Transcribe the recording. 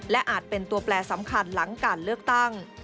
และอาจเป็นตัวแปลสำคัญหลังการเลือกตั้ง